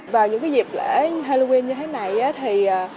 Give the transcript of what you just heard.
vào những dịp lễ halloween như thế này thì